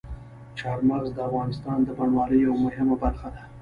چار مغز د افغانستان د بڼوالۍ یوه مهمه برخه ده.